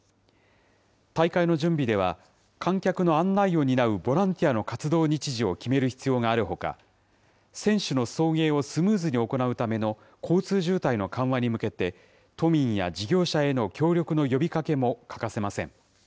大会の準備では、観客の案内を担うボランティアの活動日時を決める必要があるほか、選手の送迎をスムーズに行うための交通渋滞の緩和に向けて、都民や事業者への協力の呼びかけも欠かせません。